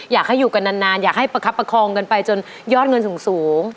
อยากให้อยู่กันนานอยากให้ประคับประคองกันไปจนยอดเงินสูง